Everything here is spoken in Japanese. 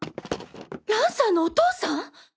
蘭さんのお父さん！？